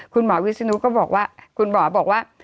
คุณหมอวิศนุก็บอกว่า